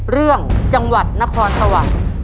เรื่องจังหวัดนครสวรรค์